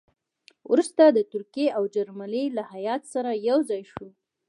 وروسته د ترکیې او جرمني له هیات سره یو ځای شو.